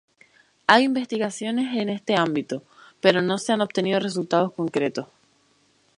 Hay investigaciones en este ámbito, pero no se han obtenido resultados concretos.